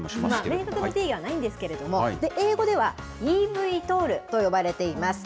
明確な定義はないんですけれども、英語ではｅＶＴＯＬと呼ばれています。